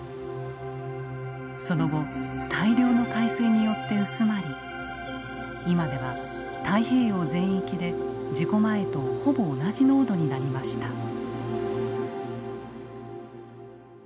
その後大量の海水によって薄まり今では太平洋全域で事故前とほぼ同じ濃度になりました。